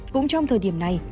cũng trong thời điểm này